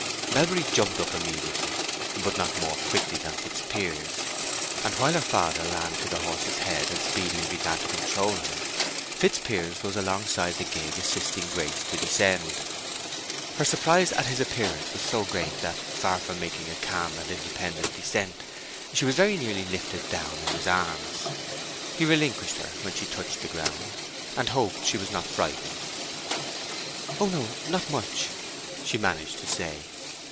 Melbury jumped up immediately, but not more quickly than Fitzpiers; and while her father ran to the horse's head and speedily began to control him, Fitzpiers was alongside the gig assisting Grace to descend. Her surprise at his appearance was so great that, far from making a calm and independent descent, she was very nearly lifted down in his arms. He relinquished her when she touched ground, and hoped she was not frightened. "Oh no, not much," she managed to say.